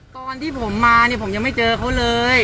ตอนที่ผมมาเนี่ยผมยังไม่เจอเขาเลย